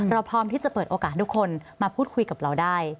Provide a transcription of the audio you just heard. พร้อมที่จะเปิดโอกาสทุกคนมาพูดคุยกับเราได้